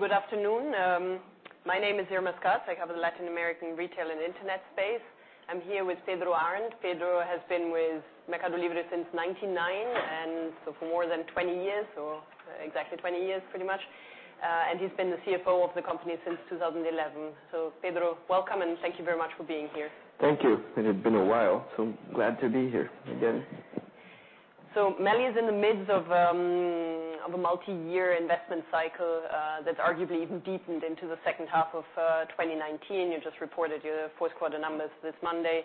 Good afternoon. My name is Irma Sgarz. I cover the Latin American retail and internet space. I'm here with Pedro Arnt. Pedro has been with MercadoLibre since 1999, for more than 20 years, or exactly 20 years pretty much. He's been the CFO of the company since 2011. Pedro, welcome, and thank you very much for being here. Thank you. It had been a while, glad to be here again. MELI is in the midst of a multi-year investment cycle that's arguably even deepened into the second half of 2019. You just reported your fourth quarter numbers this Monday.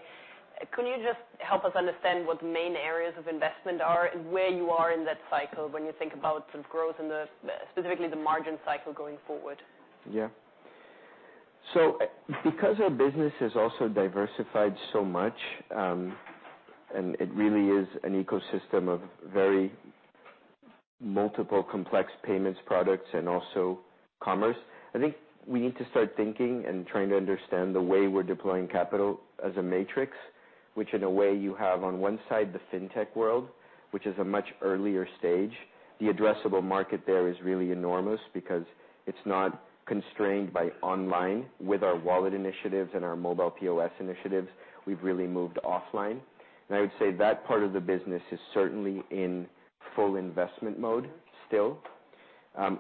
Could you just help us understand what the main areas of investment are and where you are in that cycle when you think about growth, and specifically the margin cycle going forward? Yeah. Because our business has also diversified so much, and it really is an ecosystem of very multiple complex payments products and also commerce, I think we need to start thinking and trying to understand the way we're deploying capital as a matrix. Which in a way you have on one side the fintech world, which is a much earlier stage. The addressable market there is really enormous because it's not constrained by online. With our wallet initiatives and our mobile POS initiatives, we've really moved offline. I would say that part of the business is certainly in full investment mode still.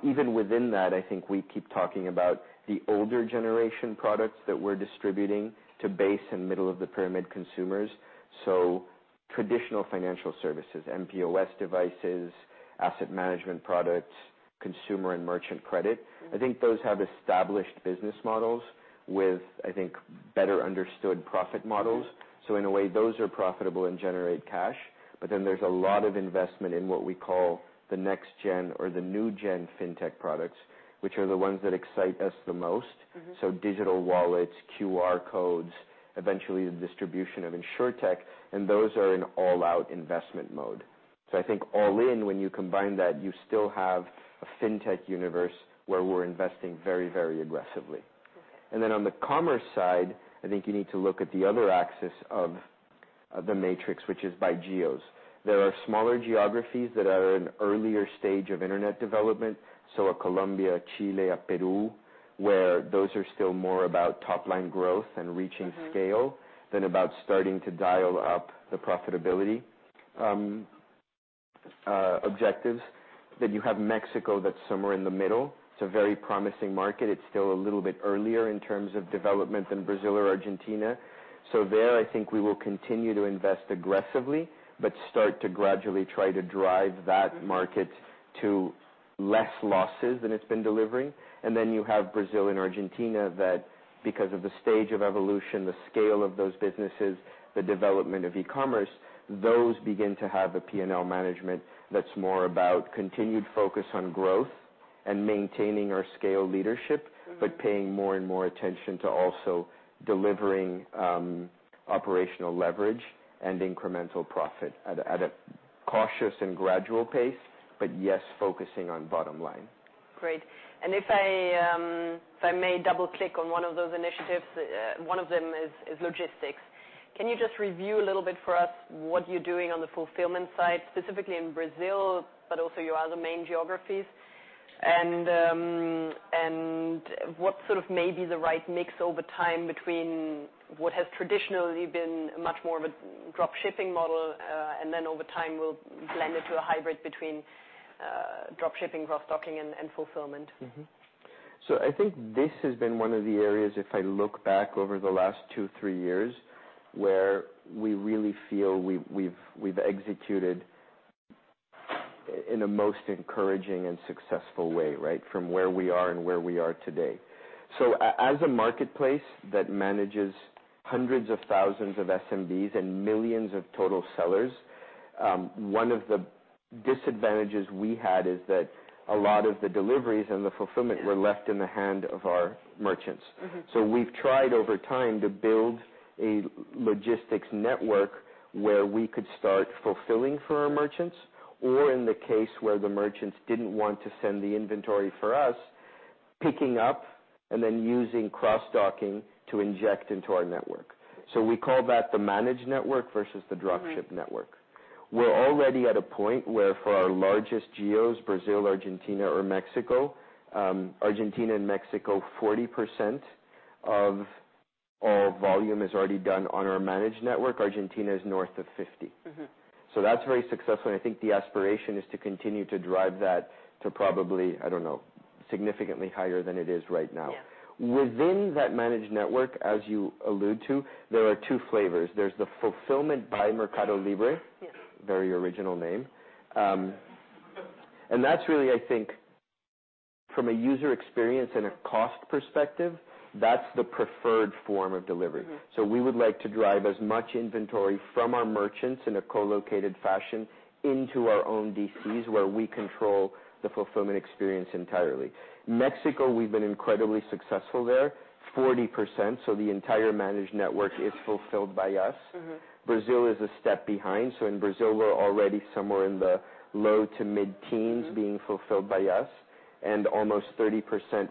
Even within that, I think we keep talking about the older generation products that we're distributing to base and middle of the pyramid consumers, traditional financial services, mPOS devices, asset management products, consumer and merchant credit. I think those have established business models with better understood profit models. In a way, those are profitable and generate cash. There's a lot of investment in what we call the next-gen or the new-gen fintech products, which are the ones that excite us the most. Digital wallets, QR codes, eventually the distribution of insurtech, and those are in all-out investment mode. I think all in, when you combine that, you still have a fintech universe where we're investing very aggressively. Okay. On the commerce side, I think you need to look at the other axis of the matrix, which is by geos. There are smaller geographies that are at an earlier stage of internet development. A Colombia, a Chile, a Peru, where those are still more about top-line growth and reaching scale than about starting to dial up the profitability objectives. You have Mexico, that's somewhere in the middle. It's a very promising market. It's still a little bit earlier in terms of development than Brazil or Argentina. There, I think we will continue to invest aggressively, but start to gradually try to drive that market to less losses than it's been delivering. You have Brazil and Argentina that, because of the stage of evolution, the scale of those businesses, the development of e-commerce, those begin to have a P&L management that's more about continued focus on growth and maintaining our scale leadership. Paying more and more attention to also delivering operational leverage and incremental profit at a cautious and gradual pace. Yes, focusing on bottom line. Great. If I may double-click on one of those initiatives, one of them is logistics. Can you just review a little bit for us what you're doing on the fulfillment side, specifically in Brazil, but also your other main geographies? What sort of may be the right mix over time between what has traditionally been much more of a drop shipping model, then over time will blend into a hybrid between drop shipping, cross docking, and fulfillment? I think this has been one of the areas, if I look back over the last two, three years, where we really feel we've executed in a most encouraging and successful way. From where we are and where we are today. As a marketplace that manages hundreds of thousands of SMBs and millions of total sellers, one of the disadvantages we had is that a lot of the deliveries and the fulfillment were left in the hand of our merchants. We've tried over time to build a logistics network where we could start fulfilling for our merchants, or in the case where the merchants didn't want to send the inventory for us, picking up and then using cross docking to inject into our network. We call that the managed network versus the drop ship network. We're already at a point where for our largest geos, Brazil, Argentina, or Mexico, Argentina and Mexico, 40% of all volume is already done on our managed network. Argentina is north of 50%. That's very successful, and I think the aspiration is to continue to drive that to probably, I don't know, significantly higher than it is right now. Yeah. Within that managed network, as you allude to, there are two flavors. There's the fulfillment by MercadoLibre. Yeah. Very original name. That's really, I think, from a user experience and a cost perspective, that's the preferred form of delivery. We would like to drive as much inventory from our merchants in a co-located fashion into our own DCs, where we control the fulfillment experience entirely. Mexico, we've been incredibly successful there. 40%, so the entire managed network is fulfilled by us. Brazil is a step behind. In Brazil, we're already somewhere in the low to mid-teens being fulfilled by us. Almost 30%,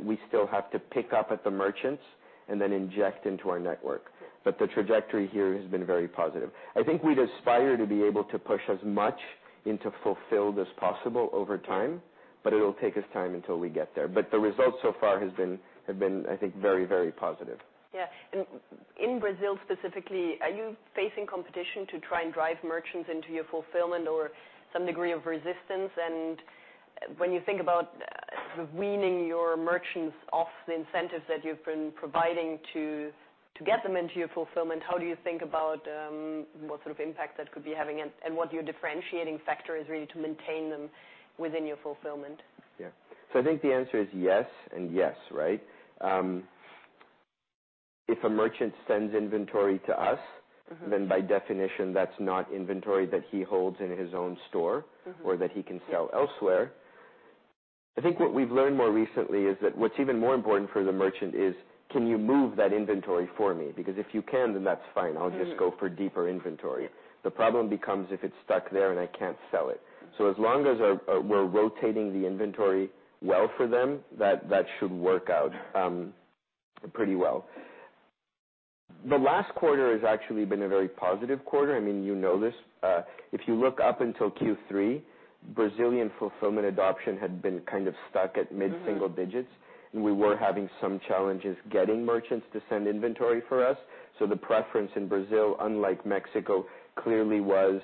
we still have to pick up at the merchants. Then inject into our network. The trajectory here has been very positive. I think we'd aspire to be able to push as much into fulfilled as possible over time, but it'll take us time until we get there. The results so far have been, I think, very, very positive. Yeah. In Brazil specifically, are you facing competition to try and drive merchants into your fulfillment or some degree of resistance? When you think about weening your merchants off the incentives that you've been providing to get them into your fulfillment, how do you think about what sort of impact that could be having and what your differentiating factor is really to maintain them within your fulfillment? Yeah. I think the answer is yes and yes. If a merchant sends inventory to us, by definition, that's not inventory that he holds in his own store or that he can sell elsewhere. I think what we've learned more recently is that what's even more important for the merchant is, can you move that inventory for me? If you can, then that's fine. I'll just go for deeper inventory. The problem becomes if it's stuck there and I can't sell it. As long as we're rotating the inventory well for them, that should work out pretty well. The last quarter has actually been a very positive quarter. You know this. If you look up until Q3, Brazilian fulfillment adoption had been kind of stuck at mid-single digits. We were having some challenges getting merchants to send inventory for us. The preference in Brazil, unlike Mexico, clearly was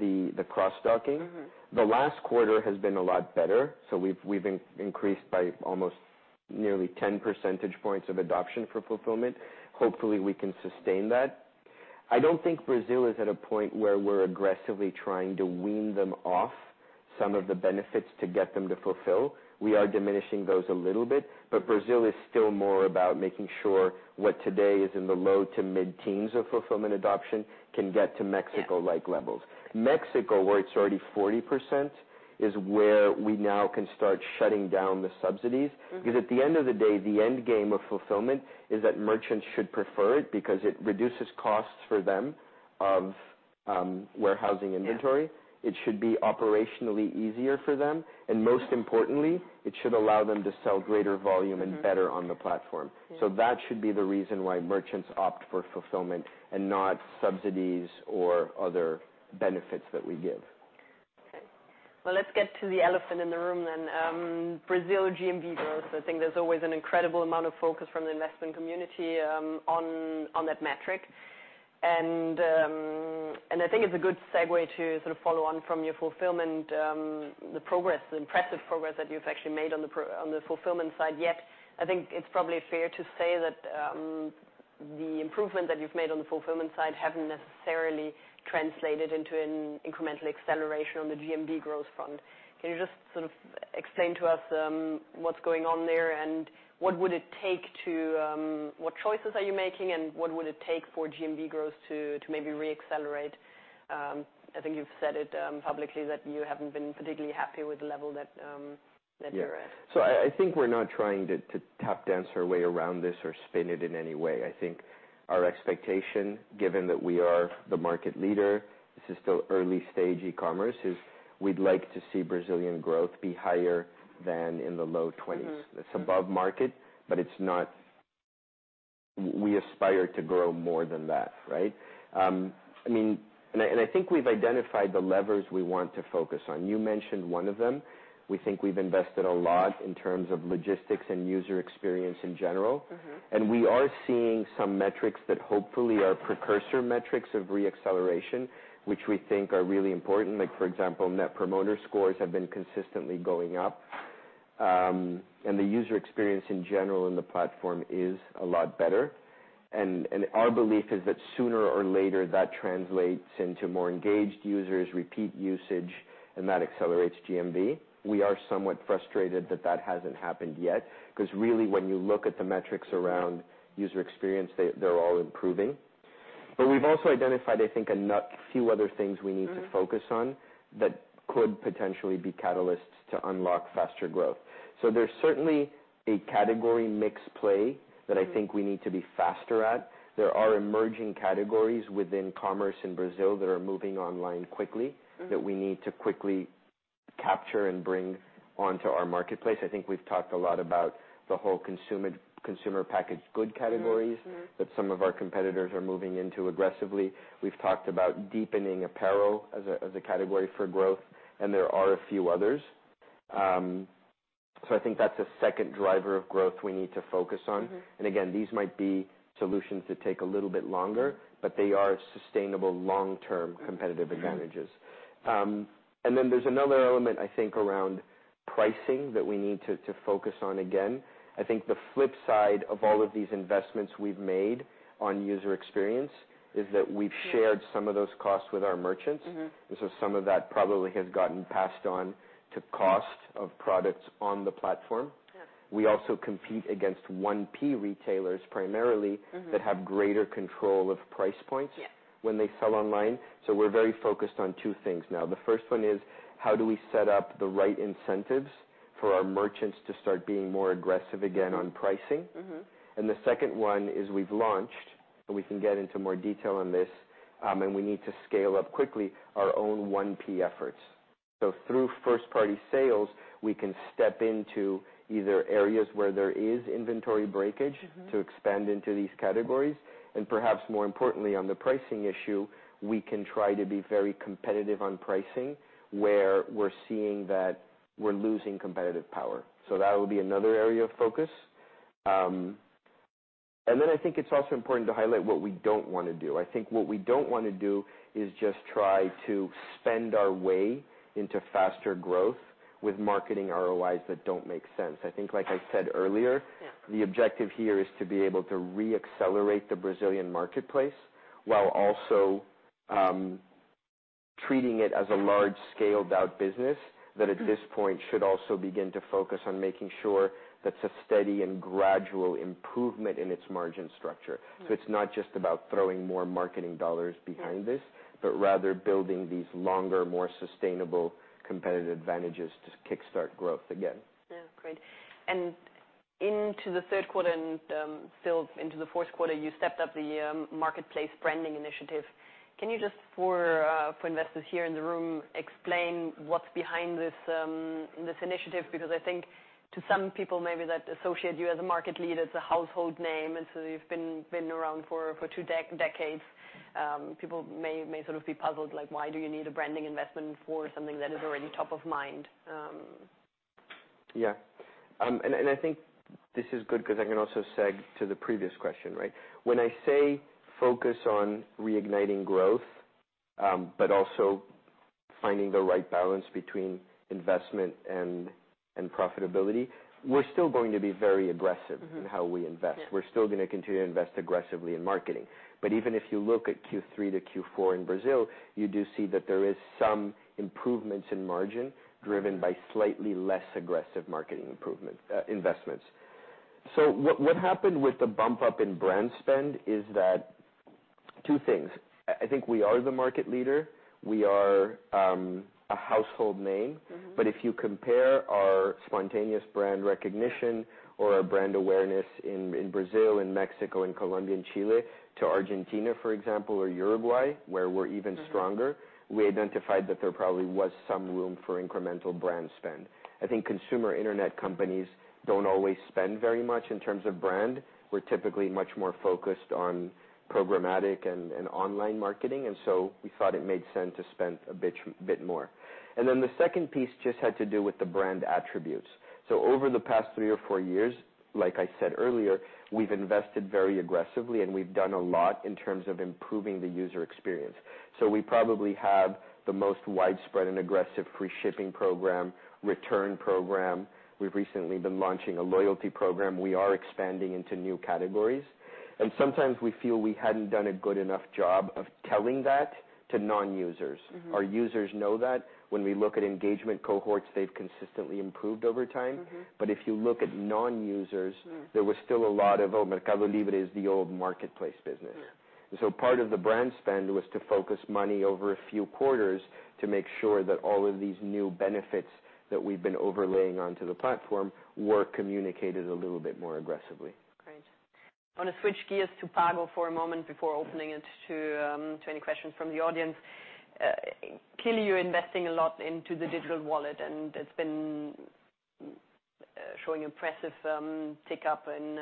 the cross-docking. The last quarter has been a lot better. We've increased by almost nearly 10 percentage points of adoption for fulfillment. Hopefully, we can sustain that. I don't think Brazil is at a point where we're aggressively trying to wean them off some of the benefits to get them to fulfill. We are diminishing those a little bit, but Brazil is still more about making sure what today is in the low to mid-teens of fulfillment adoption can get to Mexico-like levels. Mexico, where it's already 40%, is where we now can start shutting down the subsidies. Because at the end of the day, the end game of fulfillment is that merchants should prefer it because it reduces costs for them of warehousing inventory. Yeah. It should be operationally easier for them. Most importantly, it should allow them to sell greater volume and better on the platform. Yeah. That should be the reason why merchants opt for fulfillment and not subsidies or other benefits that we give. Okay. Well, let's get to the elephant in the room then. Brazil GMV growth. I think there's always an incredible amount of focus from the investment community on that metric. I think it's a good segue to sort of follow on from your fulfillment, the progress, the impressive progress that you've actually made on the fulfillment side. Yet, I think it's probably fair to say that the improvement that you've made on the fulfillment side haven't necessarily translated into an incremental acceleration on the GMV growth front. Can you just sort of explain to us what's going on there, and what choices are you making, and what would it take for GMV growth to maybe re-accelerate? I think you've said it publicly that you haven't been particularly happy with the level that you're at. Yeah. I think we're not trying to tap dance our way around this or spin it in any way. I think our expectation, given that we are the market leader, this is still early-stage e-commerce, is we'd like to see Brazilian growth be higher than in the low 20s. It's above market. We aspire to grow more than that. I think we've identified the levers we want to focus on. You mentioned one of them. We think we've invested a lot in terms of logistics and user experience in general. We are seeing some metrics that hopefully are precursor metrics of re-acceleration, which we think are really important. Like for example, net promoter scores have been consistently going up. The user experience in general in the platform is a lot better. Our belief is that sooner or later, that translates into more engaged users, repeat usage, and that accelerates GMV. We are somewhat frustrated that that hasn't happened yet. Because really, when you look at the metrics around user experience, they're all improving. We've also identified, I think, a few other things we need to focus on that could potentially be catalysts to unlock faster growth. There's certainly a category mix play that I think we need to be faster at. There are emerging categories within commerce in Brazil that are moving online quickly that we need to quickly capture and bring onto our marketplace. I think we've talked a lot about the whole consumer packaged good categories that some of our competitors are moving into aggressively. We've talked about deepening apparel as a category for growth, and there are a few others. I think that's a second driver of growth we need to focus on. Again, these might be solutions that take a little bit longer, but they are sustainable long-term competitive advantages. There's another element, I think, around pricing that we need to focus on again. I think the flip side of all of these investments we've made on user experience is that we've shared some of those costs with our merchants. Some of that probably has gotten passed on to cost of products on the platform. Yeah. We also compete against 1P retailers primarily that have greater control of price points when they sell online. We're very focused on two things now. The first one is, how do we set up the right incentives for our merchants to start being more aggressive again on pricing? The second one is we've launched, and we can get into more detail on this, and we need to scale up quickly our own 1P efforts. Through first-party sales, we can step into either areas where there is inventory breakage to expand into these categories, and perhaps more importantly, on the pricing issue, we can try to be very competitive on pricing where we're seeing that we're losing competitive power. That will be another area of focus. Then I think it's also important to highlight what we don't want to do. I think what we don't want to do is just try to spend our way into faster growth with marketing ROIs that don't make sense. I think, like I said earlier the objective here is to be able to re-accelerate the Brazilian marketplace while also treating it as a large-scale, doubt business that at this point should also begin to focus on making sure that's a steady and gradual improvement in its margin structure. Right. It's not just about throwing more marketing dollars behind this, but rather building these longer, more sustainable competitive advantages to kickstart growth again. Yeah. Great. Into the third quarter and still into the fourth quarter, you stepped up the marketplace branding initiative. Can you just for investors here in the room explain what's behind this initiative? I think to some people, maybe that associate you as a market leader, as a household name, you've been around for two decades. People may sort of be puzzled, like why do you need a branding investment for something that is already top of mind? Yeah. I think this is good because I can also segue to the previous question, right? When I say focus on reigniting growth, but also finding the right balance between investment and profitability, we're still going to be very aggressive in how we invest. Yeah. We're still going to continue to invest aggressively in marketing. Even if you look at Q3 to Q4 in Brazil, you do see that there is some improvements in margin driven by slightly less aggressive marketing investments. What happened with the bump up in brand spend is that two things, I think we are the market leader. We are a household name. If you compare our spontaneous brand recognition or our brand awareness in Brazil, in Mexico, in Colombia and Chile to Argentina, for example, or Uruguay, where we're even stronger, we identified that there probably was some room for incremental brand spend. I think consumer internet companies don't always spend very much in terms of brand. We're typically much more focused on programmatic and online marketing. We thought it made sense to spend a bit more. The second piece just had to do with the brand attributes. Over the past three or four years, like I said earlier, we've invested very aggressively, and we've done a lot in terms of improving the user experience. We probably have the most widespread and aggressive free shipping program, return program. We've recently been launching a loyalty program. We are expanding into new categories. Sometimes we feel we hadn't done a good enough job of telling that to non-users. Our users know that when we look at engagement cohorts, they've consistently improved over time. If you look at non-users, there was still a lot of, "Oh, MercadoLibre is the old marketplace business.' Yeah. Part of the brand spend was to focus money over a few quarters to make sure that all of these new benefits that we've been overlaying onto the platform were communicated a little bit more aggressively. Great. I want to switch gears to Pago for a moment before opening it to any questions from the audience. Clearly, you're investing a lot into the digital wallet, and it's been showing impressive pickup in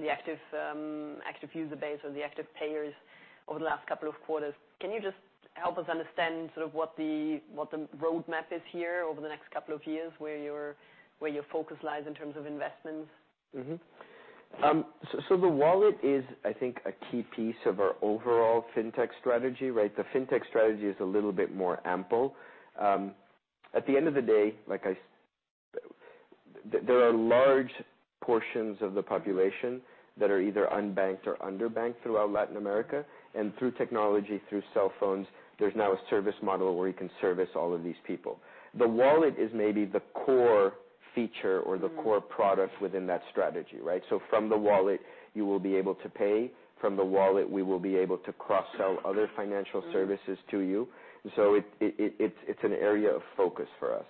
the active user base or the active payers over the last couple of quarters. Can you just help us understand sort of what the roadmap is here over the next couple of years, where your focus lies in terms of investments? The wallet is, I think, a key piece of our overall fintech strategy, right? The fintech strategy is a little bit more ample. At the end of the day, there are large portions of the population that are either unbanked or underbanked throughout Latin America. Through technology, through cell phones, there's now a service model where you can service all of these people. The wallet is maybe the core feature or the core product within that strategy, right? From the wallet, you will be able to pay. From the wallet, we will be able to cross-sell other financial services to you. It's an area of focus for us.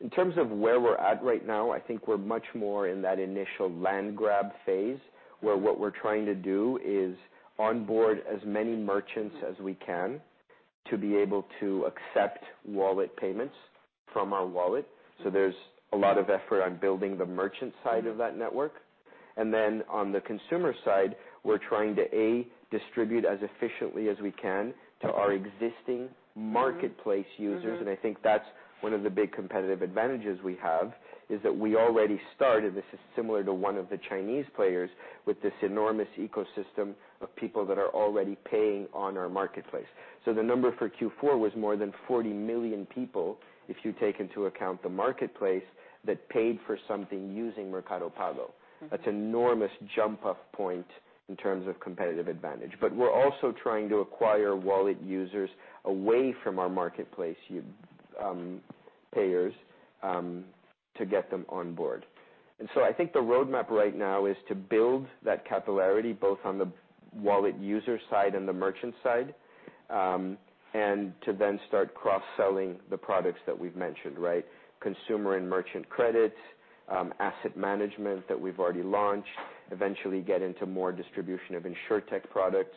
In terms of where we're at right now, I think we're much more in that initial land grab phase, where what we're trying to do is onboard as many merchants as we can to be able to accept wallet payments from our wallet. There's a lot of effort on building the merchant side of that network. Then on the consumer side, we're trying to, A, distribute as efficiently as we can to our existing marketplace users. I think that's one of the big competitive advantages we have, is that we already started, this is similar to one of the Chinese players with this enormous ecosystem of people that are already paying on our marketplace. The number for Q4 was more than 40 million people, if you take into account the marketplace that paid for something using Mercado Pago. That's enormous jump-off point in terms of competitive advantage. We're also trying to acquire wallet users away from our marketplace payers, to get them on board. I think the roadmap right now is to build that capillarity, both on the wallet user side and the merchant side, to then start cross-selling the products that we've mentioned, right. Consumer and merchant credits. Asset management that we've already launched, eventually get into more distribution of insurtech products.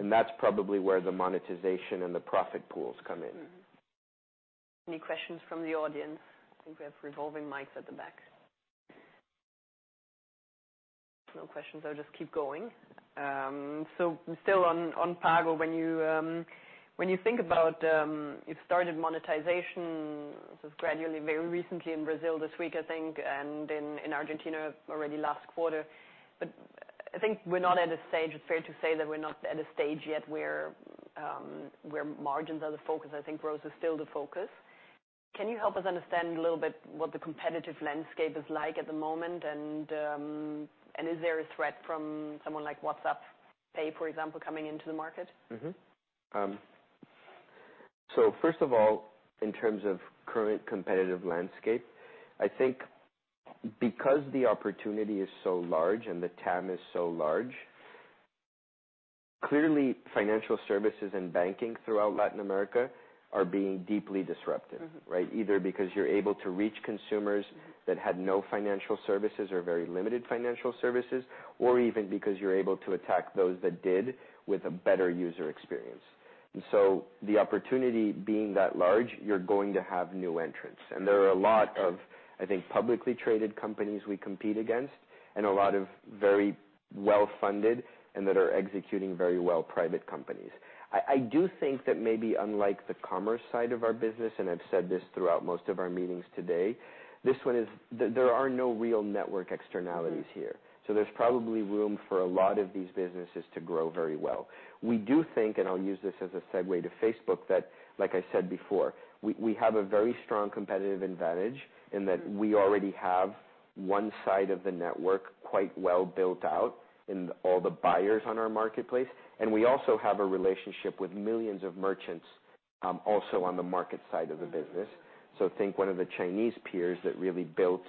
That's probably where the monetization and the profit pools come in. Any questions from the audience? I think we have revolving mics at the back. No questions. I'll just keep going. Still on Pago. When you think about you've started monetization gradually very recently in Brazil this week, I think, and in Argentina already last quarter. I think it's fair to say that we're not at a stage yet where margins are the focus. I think growth is still the focus. Can you help us understand a little bit what the competitive landscape is like at the moment? Is there a threat from someone like WhatsApp Pay, for example, coming into the market? First of all, in terms of current competitive landscape, I think because the opportunity is so large and the TAM is so large, clearly financial services and banking throughout Latin America are being deeply disrupted. Right? Either because you're able to reach consumers that had no financial services or very limited financial services, or even because you're able to attack those that did with a better user experience. The opportunity being that large, you're going to have new entrants. There are a lot of, I think, publicly traded companies we compete against, and a lot of very well-funded and that are executing very well private companies. I do think that maybe unlike the commerce side of our business, and I've said this throughout most of our meetings today, there are no real network externalities here. There's probably room for a lot of these businesses to grow very well. We do think, and I'll use this as a segue to Facebook, that, like I said before, we have a very strong competitive advantage in that we already have one side of the network quite well built out in all the buyers on our marketplace. We also have a relationship with millions of merchants also on the market side of the business. Think one of the Chinese peers that really built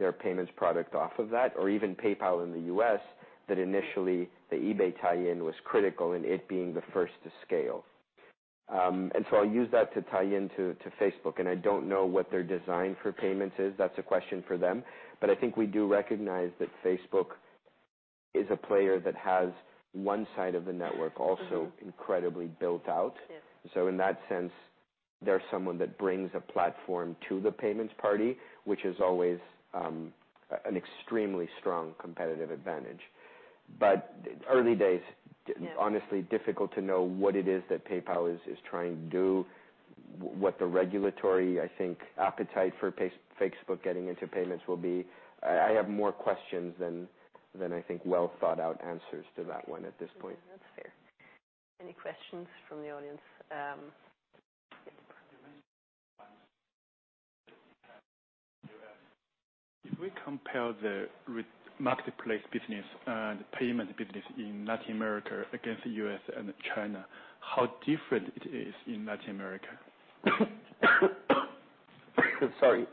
their payments product off of that or even PayPal in the U.S., that initially the eBay tie-in was critical in it being the first to scale. I'll use that to tie into Facebook, and I don't know what their design for payments is. That's a question for them. I think we do recognize that Facebook is a player that has one side of the network also incredibly built out. Yes. In that sense, they're someone that brings a platform to the payments party, which is always an extremely strong competitive advantage. Early days. Yeah. Honestly, difficult to know what it is that PayPal is trying to do, what the regulatory, I think, appetite for Facebook getting into payments will be. I have more questions than, I think, well-thought-out answers to that one at this point. That's fair. Any questions from the audience? Yes. If we compare the marketplace business and payment business in Latin America against the U.S. and China, how different it is in Latin America? Sorry.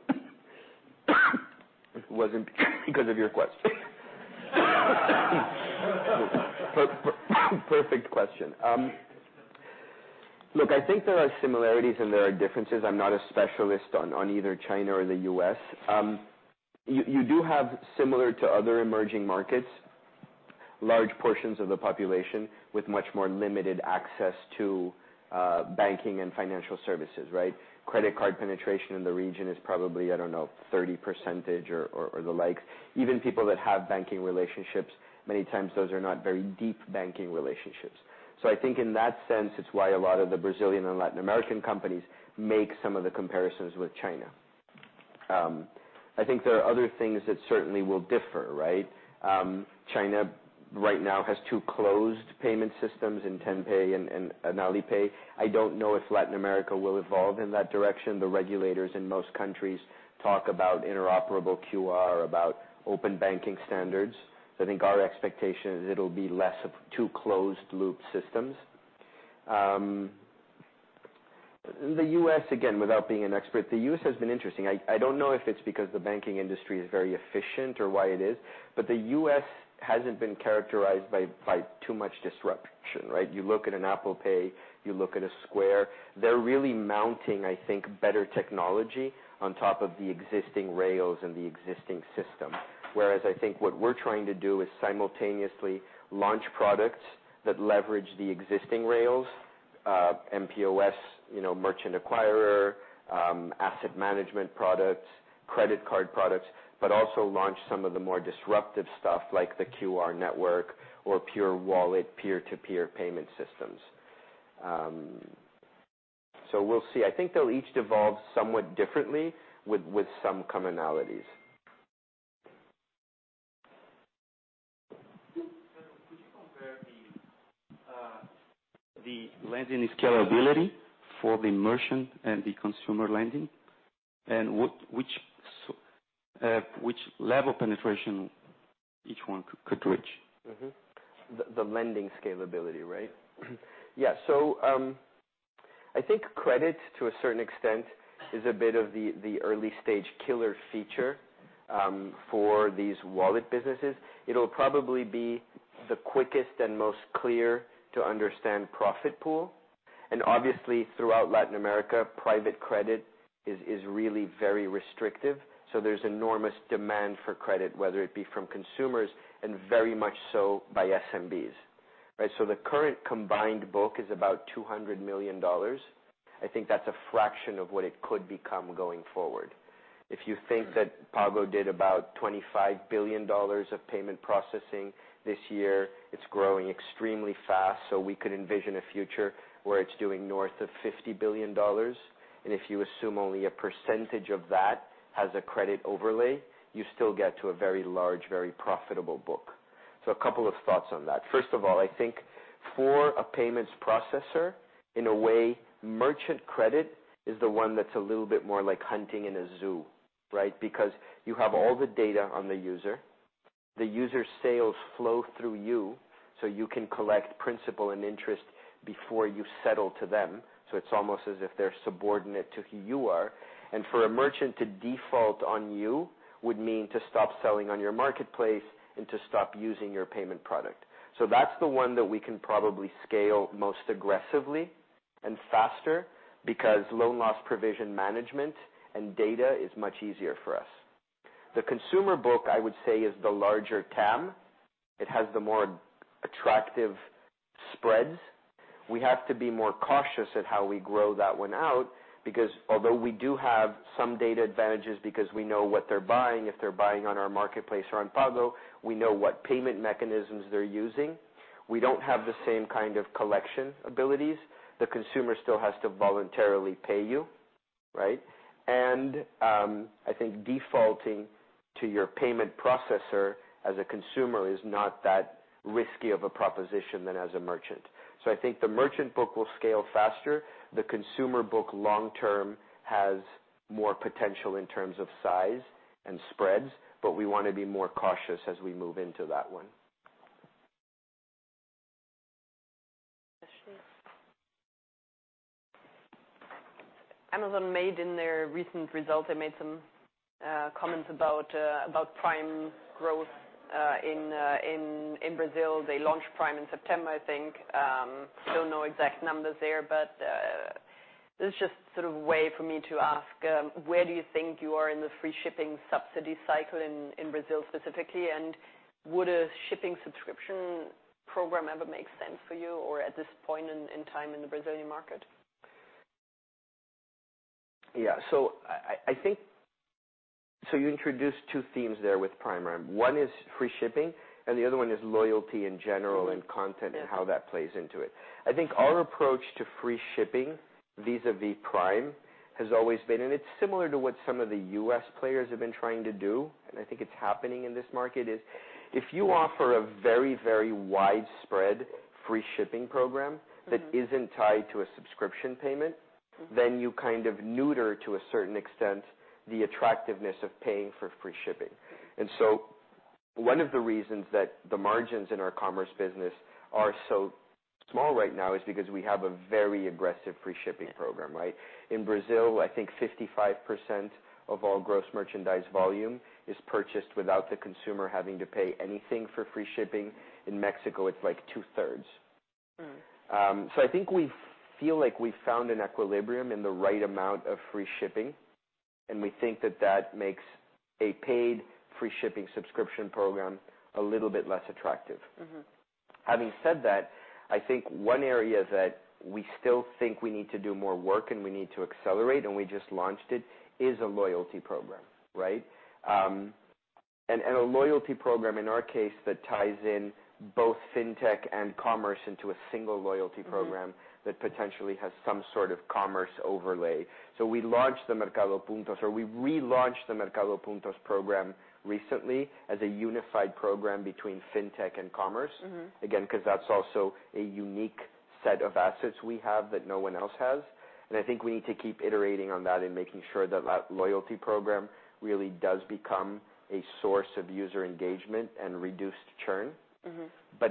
It wasn't because of your question. Perfect question. Look, I think there are similarities, and there are differences. I'm not a specialist on either China or the U.S. You do have similar to other emerging markets, large portions of the population with much more limited access to banking and financial services, right? Credit card penetration in the region is probably, I don't know, 30% or the like. Even people that have banking relationships, many times those are not very deep banking relationships. I think in that sense, it's why a lot of the Brazilian and Latin American companies make some of the comparisons with China. I think there are other things that certainly will differ, right? China right now has two closed payment systems in TenPay and Alipay. I don't know if Latin America will evolve in that direction. The regulators in most countries talk about interoperable QR, about open banking standards. I think our expectation is it'll be less of two closed loop systems. The U.S., again, without being an expert, the U.S. has been interesting. I don't know if it's because the banking industry is very efficient or why it is, the U.S. hasn't been characterized by too much disruption, right? You look at an Apple Pay, you look at a Square. They're really mounting, I think, better technology on top of the existing rails and the existing system. Whereas I think what we're trying to do is simultaneously launch products that leverage the existing rails, mPOS, merchant acquirer, asset management products, credit card products, but also launch some of the more disruptive stuff like the QR network or pure wallet peer-to-peer payment systems. We'll see. I think they'll each evolve somewhat differently with some commonalities. Could you compare the lending scalability for the merchant and the consumer lending, and which level penetration each one could reach? The lending scalability, right? Yeah. I think credit, to a certain extent, is a bit of the early-stage killer feature for these wallet businesses. It'll probably be the quickest and most clear to understand profit pool. And obviously, throughout Latin America, private credit is really very restrictive. There's enormous demand for credit, whether it be from consumers and very much so by SMBs. The current combined book is about $200 million. I think that's a fraction of what it could become going forward. If you think that Pago did about $25 billion of payment processing this year, it's growing extremely fast. We could envision a future where it's doing north of $50 billion. If you assume only a percentage of that has a credit overlay, you still get to a very large, very profitable book. A couple of thoughts on that. First of all, I think for a payments processor, in a way, merchant credit is the one that's a little bit more like hunting in a zoo. You have all the data on the user. The user sales flow through you, so you can collect principal and interest before you settle to them. It's almost as if they're subordinate to who you are. For a merchant to default on you would mean to stop selling on your marketplace and to stop using your payment product. That's the one that we can probably scale most aggressively and faster because loan loss provision management and data is much easier for us. The consumer book, I would say, is the larger TAM. It has the more attractive spreads. We have to be more cautious at how we grow that one out because although we do have some data advantages because we know what they're buying, if they're buying on our marketplace or on Pago, we know what payment mechanisms they're using. We don't have the same kind of collection abilities. The consumer still has to voluntarily pay you. I think defaulting to your payment processor as a consumer is not that risky of a proposition than as a merchant. I think the merchant book will scale faster. The consumer book long term has more potential in terms of size and spreads, but we want to be more cautious as we move into that one. Amazon, in their recent results, they made some comments about Prime growth in Brazil. They launched Prime in September, I think. Still no exact numbers there, but this is just sort of a way for me to ask, where do you think you are in the free shipping subsidy cycle in Brazil specifically? Would a shipping subscription program ever make sense for you or at this point in time in the Brazilian market? Yeah. You introduced two themes there with Prime, right? One is free shipping, and the other one is loyalty in general and content and how that plays into it. I think our approach to free shipping vis-a-vis Prime has always been, and it's similar to what some of the U.S. players have been trying to do, and I think it's happening in this market, is if you offer a very, very widespread free shipping program that isn't tied to a subscription payment, then you kind of neuter, to a certain extent, the attractiveness of paying for free shipping. One of the reasons that the margins in our commerce business are so small right now is because we have a very aggressive free shipping program, right? In Brazil, I think 55% of all gross merchandise volume is purchased without the consumer having to pay anything for free shipping. In Mexico, it's like two-thirds. I think we feel like we've found an equilibrium in the right amount of free shipping, and we think that that makes a paid free shipping subscription program a little bit less attractive. Having said that, I think one area that we still think we need to do more work and we need to accelerate, and we just launched it, is a loyalty program. Right? A loyalty program, in our case, that ties in both fintech and commerce into a single loyalty program that potentially has some sort of commerce overlay. We launched the Mercado Puntos, or we relaunched the Mercado Puntos program recently as a unified program between fintech and commerce. Again, because that's also a unique set of assets we have that no one else has. I think we need to keep iterating on that and making sure that that loyalty program really does become a source of user engagement and reduced churn.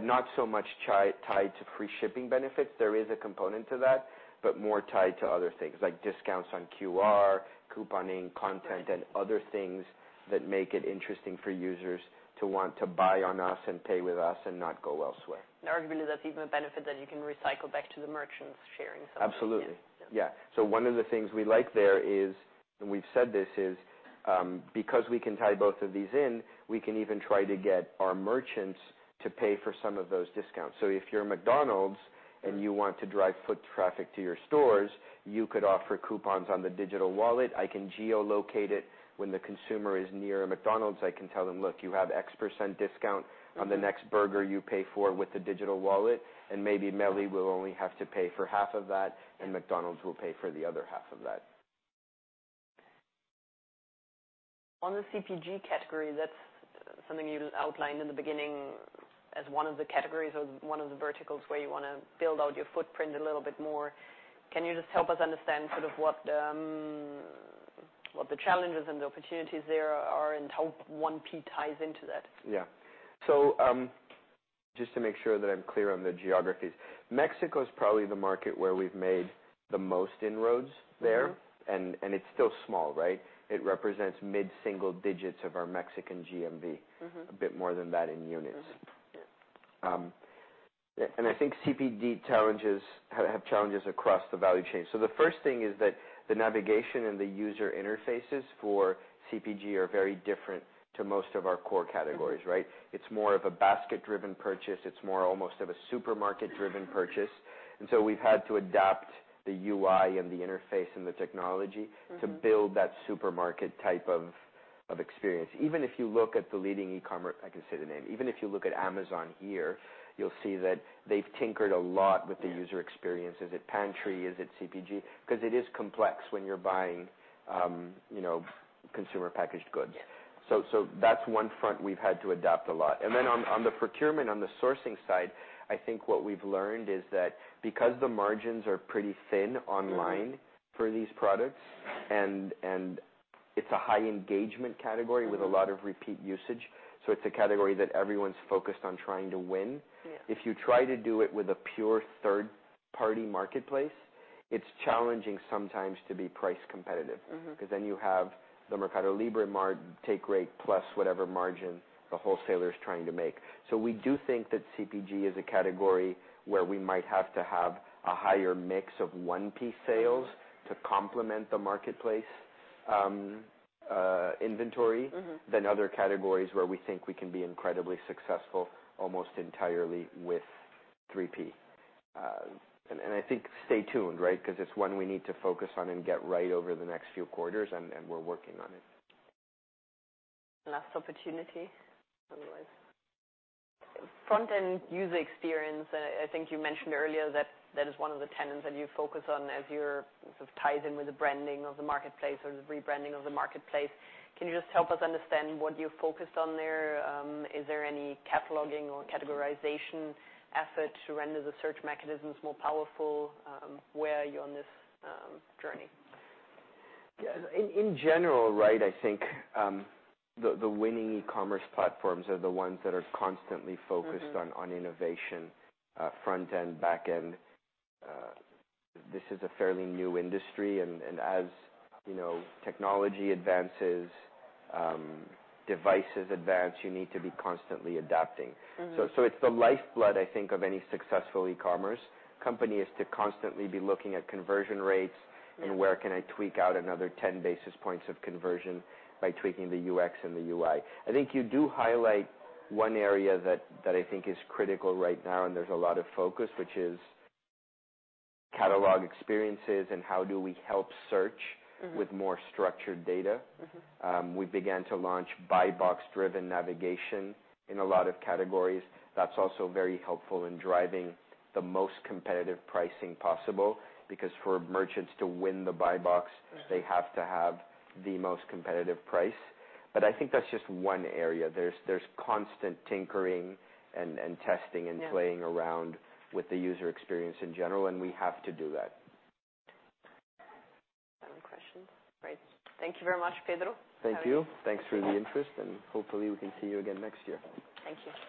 Not so much tied to free shipping benefits. There is a component to that, more tied to other things like discounts on QR, couponing, content, and other things that make it interesting for users to want to buy on us and pay with us and not go elsewhere. Arguably, that's even a benefit that you can recycle back to the merchants. Absolutely. Yeah. One of the things we like there is, and we've said this, is because we can tie both of these in, we can even try to get our merchants to pay for some of those discounts. If you're McDonald's and you want to drive foot traffic to your stores, you could offer coupons on the digital wallet. I can geo-locate it when the consumer is near a McDonald's. I can tell them, "Look, you have X% discount on the next burger you pay for with the digital wallet." Maybe MELI will only have to pay for half of that, and McDonald's will pay for the other half of that. On the CPG category, that's something you outlined in the beginning as one of the categories or one of the verticals where you want to build out your footprint a little bit more. Can you just help us understand sort of what the challenges and the opportunities there are and how 1P ties into that? Yeah. Just to make sure that I'm clear on the geographies, Mexico is probably the market where we've made the most inroads there. It's still small, right? It represents mid-single digits of our Mexican GMV. A bit more than that in units. I think CPG have challenges across the value chain. The first thing is that the navigation and the user interfaces for CPG are very different to most of our core categories, right? It's more of a basket-driven purchase. It's more almost of a supermarket-driven purchase. We've had to adapt the UI and the interface and the technology to build that supermarket type of experience. Even if you look at the leading e-commerce, I can say the name. Even if you look at Amazon here, you'll see that they've tinkered a lot with the user experience. Is it Pantry? Is it CPG? Because it is complex when you're buying consumer packaged goods. Yeah. That's one front we've had to adapt a lot. On the procurement, on the sourcing side, I think what we've learned is that because the margins are pretty thin online for these products, and it's a high-engagement category with a lot of repeat usage, it's a category that everyone's focused on trying to win. Yeah. If you try to do it with a pure third-party marketplace, it's challenging sometimes to be price competitive. Because then you have the MercadoLibre take rate plus whatever margin the wholesaler is trying to make. We do think that CPG is a category where we might have to have a higher mix of 1P sales to complement the marketplace inventory than other categories where we think we can be incredibly successful almost entirely with 3P. I think stay tuned, right? It's one we need to focus on and get right over the next few quarters, and we're working on it. Last opportunity, otherwise Front-end user experience, I think you mentioned earlier that is one of the tenets that you focus on as you're sort of tied in with the branding of the marketplace or the rebranding of the marketplace. Can you just help us understand what you're focused on there? Is there any cataloging or categorization effort to render the search mechanisms more powerful? Where are you on this journey? Yeah. In general, right, I think, the winning e-commerce platforms are the ones that are constantly focused on innovation, front-end, back-end. This is a fairly new industry, as technology advances, devices advance, you need to be constantly adapting. It's the lifeblood, I think, of any successful e-commerce company, is to constantly be looking at conversion rates and where can I tweak out another 10 basis points of conversion by tweaking the UX and the UI. I think you do highlight one area that I think is critical right now and there's a lot of focus, which is catalog experiences and how do we help search with more structured data. We began to launch buy box-driven navigation in a lot of categories. That's also very helpful in driving the most competitive pricing possible because for merchants to win the buy box they have to have the most competitive price. I think that's just one area. There's constant tinkering and testing playing around with the user experience in general, and we have to do that. Any questions? Great. Thank you very much, Pedro. Thank you. Thanks for the interest, hopefully we can see you again next year. Thank you.